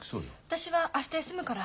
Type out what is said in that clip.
私は明日休むから。